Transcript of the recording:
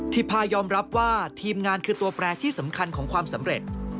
พายอมรับว่าทีมงานคือตัวแปรที่สำคัญของความสำเร็จ